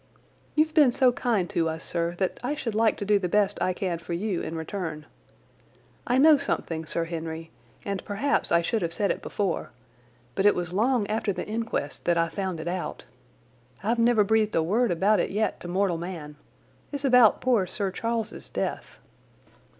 "You've been so kind to us, sir, that I should like to do the best I can for you in return. I know something, Sir Henry, and perhaps I should have said it before, but it was long after the inquest that I found it out. I've never breathed a word about it yet to mortal man. It's about poor Sir Charles's death."